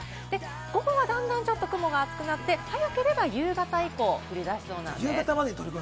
午後は段々ちょっと雲が厚くなって早ければ夕方以降、降りだしそうなんです。